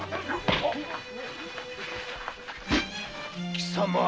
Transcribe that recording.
貴様！